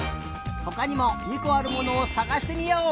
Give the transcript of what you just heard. ほかにも２こあるものをさがしてみよう！